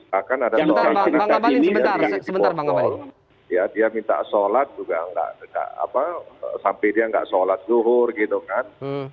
dan dan begini yang ini dari di kota dia minta sholat juga sampai dia nggak sholat zuhur gitu kan